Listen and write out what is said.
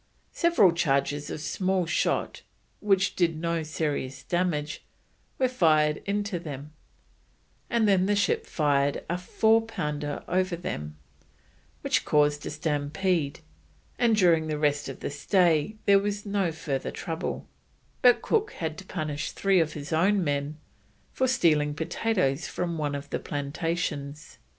Several charges of small shot, which did no serious damage, were fired into them, and then the ship fired a 4 pounder over them, which caused a stampede, and during the rest of the stay there was no further trouble, but Cook had to punish three of his own men for stealing potatoes from one of the plantations.